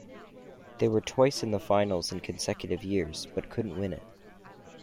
They were twice in the finals in consecutive years, but couldn't win it.